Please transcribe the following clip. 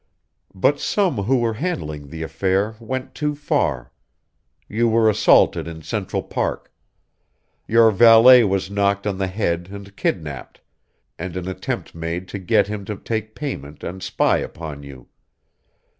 But some who were handling the affair went too far. You were assaulted in Central Park. Your valet was knocked on the head and kidnaped, and an attempt made to get him to take payment and spy upon you.